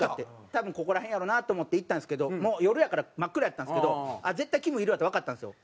多分ここら辺やろうなと思って行ったんですけどもう夜やから真っ暗やったんですけど絶対きむいるわってわかったんですよ。